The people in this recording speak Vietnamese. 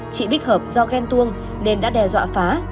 chị bích hợp do ghen tuông nên đã đe dọa phá